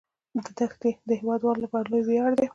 دښتې د هیوادوالو لپاره لوی ویاړ دی.